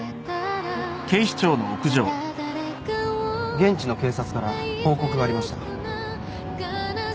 現地の警察から報告がありました。